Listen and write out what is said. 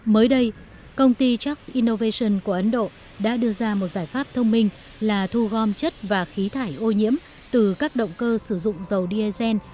mới đây công ty chuck innovation của ấn độ đã đưa ra một giải pháp thông minh là thu gom chất và khí thải ô nhiễm từ các động cơ sử dụng dầu diesel